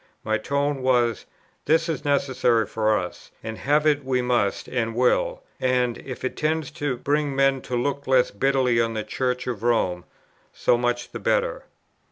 My tone was, "This is necessary for us, and have it we must and will, and, if it tends to bring men to look less bitterly on the Church of Rome, so much the better."